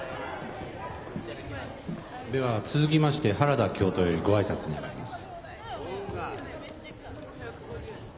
では続きまして原田教頭よりご挨拶願います。